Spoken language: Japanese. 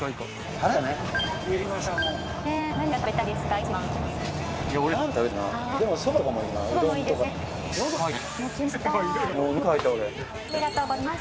ありがとうございます。